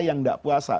yang tidak puasa